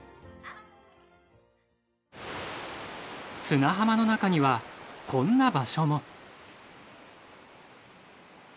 砂浜の中にはこんな場所も。